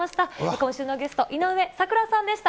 今週のゲスト、井上咲楽さんでした。